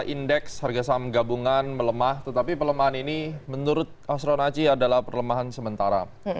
indeks harga saham gabungan melemah tetapi pelemahan ini menurut astronaci adalah perlemahan sementara